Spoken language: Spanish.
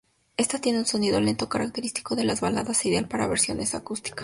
Ésta tiene un sonido lento, característico de las baladas e ideal para versiones acústicas.